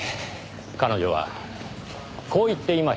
彼女はこう言っていました。